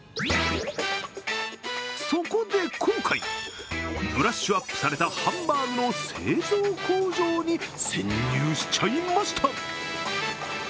そこで今回、ブラッシュアップされたハンバーグの製造工場に潜入しちゃいました。